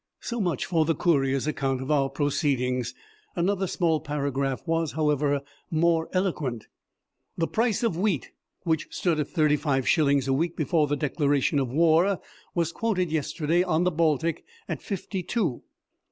So much for the Courier's account of our proceedings. Another small paragraph was, however, more eloquent: "The price of wheat, which stood at thirty five shillings a week before the declaration of war, was quoted yesterday on the Baltic at fifty two.